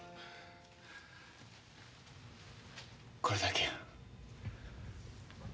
これだけや。